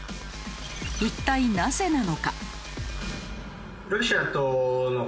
一体なぜなのか？